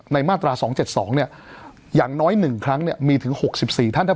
ในมาตราสองเจ็ดสองเนี้ยอย่างน้อยหนึ่งครั้งเนี้ยมีถึงหกสิบสี่ท่านครับ